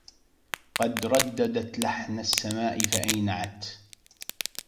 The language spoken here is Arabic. قد رددت لحن السمـاء فأينعـت